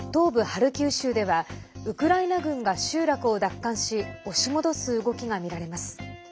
ハルキウ州ではウクライナ軍が集落を奪還し押し戻す動きが見られます。